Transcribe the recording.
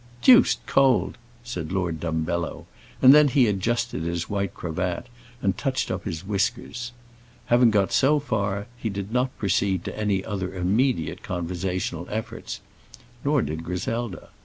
"Deuced cold," said Lord Dumbello, and then he adjusted his white cravat and touched up his whiskers. Having got so far, he did not proceed to any other immediate conversational efforts; nor did Griselda.